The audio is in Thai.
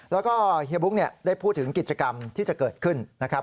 แล้วก็เฮียบุ๊กได้พูดถึงกิจกรรมที่จะเกิดขึ้นนะครับ